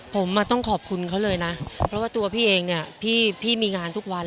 ผมต้องขอบคุณเขาเลยนะเพราะว่าตัวพี่เองเนี่ยพี่มีงานทุกวัน